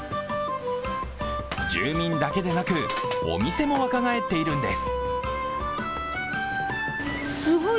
住民だけでなく、お店も若返っているんです。